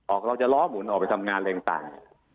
เราจะล้อหมุนออกไปทำงานอะไรต่าง